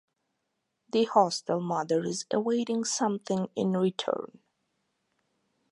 The Hostel mother is awaiting something in return.